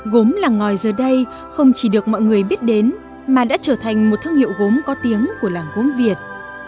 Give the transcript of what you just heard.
gốm làng ngòi giờ đây không chỉ được mọi người biết đến mà đã trở thành một thương hiệu gốm có tiếng của làng gốm việt